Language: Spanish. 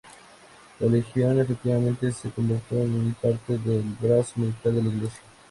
La Legión efectivamente se convirtió en parte del brazo militar de la iglesia.